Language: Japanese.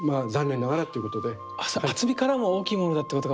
厚みからも大きいものだってことが。